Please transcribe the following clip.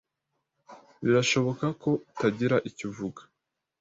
Birashoboka ku tagira icyo uvuga